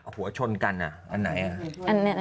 หัวชนกันอ่ะอันไหนอ่ะ